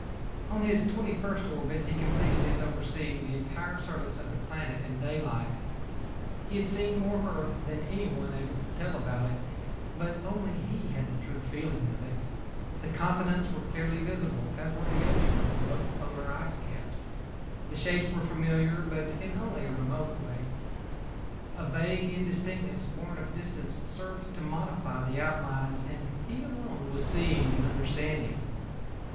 On his twenty first orbit he completed his overseeing the entire surface of the planet in daylight. He had seen more of Earth than anyone able to tell about it, but only he had the true feeling of it. The continents were clearly visible, as were the oceans and both polar ice caps. The shapes were familiar but in only a remote way. A vague indistinctness borne of distance served to modify the outlines and he alone was seeing and understanding.